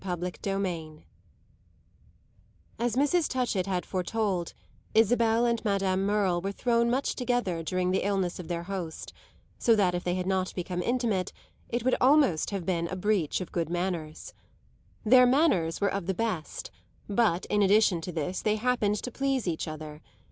CHAPTER XIX As Mrs. Touchett had foretold, Isabel and Madame Merle were thrown much together during the illness of their host, so that if they had not become intimate it would have been almost a breach of good manners. Their manners were of the best, but in addition to this they happened to please each other.